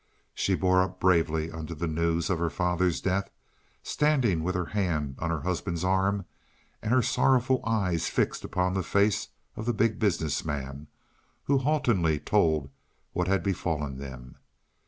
She bore up bravely under the news of her father's death, standing with her hand on her husband's arm, and her sorrowful eyes fixed upon the face of the Big Business Man who haltingly told what had befallen them.